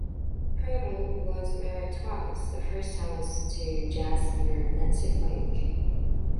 Purtill was married twice; the first time was to jazz singer Nancy Flake.